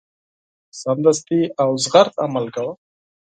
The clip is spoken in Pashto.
سمدستي او جدي عمل کاوه.